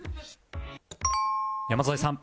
山添さん